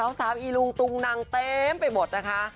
สาวอีลุงตุงนังเต็มไปหมดนะคะ